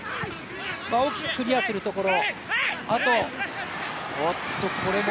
大きくクリアするところ。